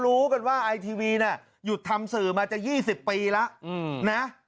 รู้กันว่าไอทีวีเนี่ยหยุดทำสื่อมาจะยี่สิบปีแล้วอืมนะ